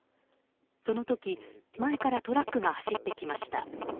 その時、前からトラックが走ってきました。